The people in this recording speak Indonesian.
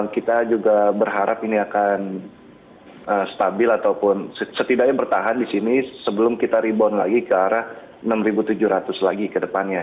kita juga berharap ini akan stabil ataupun setidaknya bertahan di sini sebelum kita rebound lagi ke arah enam tujuh ratus lagi ke depannya